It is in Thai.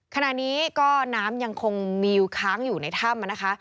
ขณะนี้ก็น้ำยังคงมีอยู่ค้างอยู่ในถ้ำนะคะ